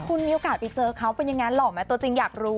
คุณมีโอกาสไปเจอเขาเป็นอย่างนั้นหล่อไหมตัวจริงอยากรู้